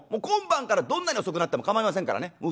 今晩からどんなに遅くなっても構いませんからね。